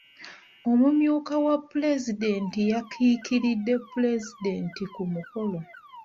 Omumyuka wa pulezidenti yakiikiridde pulezidenti ku mukolo.